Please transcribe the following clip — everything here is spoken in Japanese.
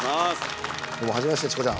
はじめましてチコちゃん。